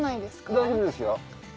大丈夫ですよ。